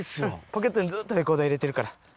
ポケットにずっとレコーダー入れてるから。